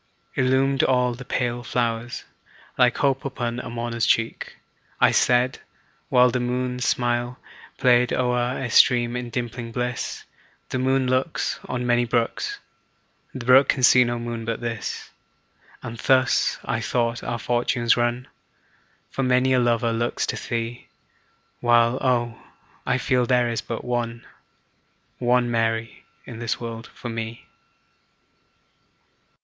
Illumined all the pale flowers, Like hope upon a mourner's cheek. I said (while The moon's smile Played o'er a stream, in dimpling bliss,) "The moon looks "On many brooks, "The brook can see no moon but this;" And thus, I thought, our fortunes run, For many a lover looks to thee, While oh! I feel there is but one, One Mary in the world for me.